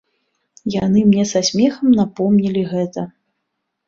Яны мне са смехам напомнілі гэта.